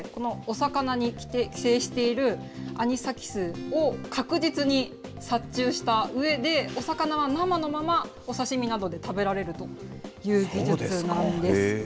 これ、何百回か行うんですけれども、そうすることで、このお魚に寄生しているアニサキスを確実に殺虫したうえで、お魚を生のままお刺身などで食べられるという技術なんです。